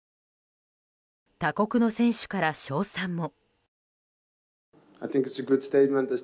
他国の選手から賞賛も。